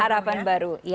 harapan baru ya